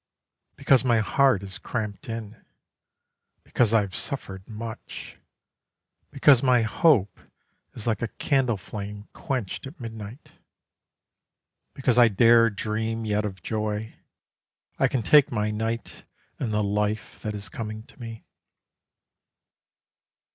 Because my heart is cramped in, Because I have suffered much, Because my hope is like a candle flame quenched at midnight, Because I dare dream yet of joy, I can take my night and the life that is coming to me.